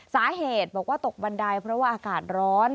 สาเหตุบอกว่าตกบันไดเพราะว่าอากาศร้อน